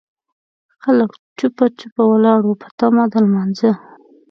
خلک جوپه جوپه ولاړ وو په تمه د لمانځه.